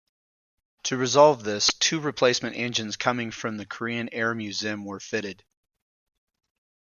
To resolve this, two replacement engines coming from the Korean Air museum were fitted.